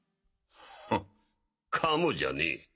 ふっかもじゃねえ。